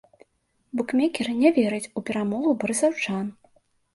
Букмекер не вераць у перамогу барысаўчан.